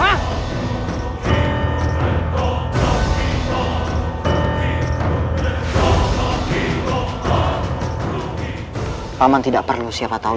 man sellers tidak perlu siapa tie